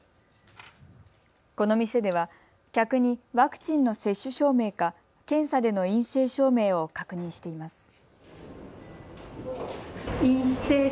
この店では客にワクチンの接種証明か検査での陰性証明を確認しています。